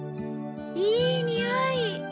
いいにおい。